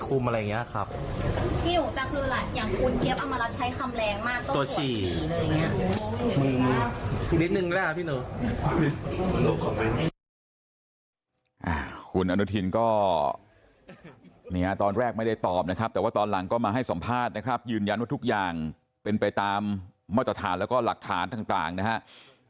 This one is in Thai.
คุณอนุทินก็นี่ฮะตอนแรกไม่ได้ตอบนะครับแต่ว่าตอนหลังก็มาให้สัมภาษณ์นะครับยืนยันว่าทุกอย่างเป็นไปตามมาตรฐานแล้วก็หลักฐานต่างนะครับ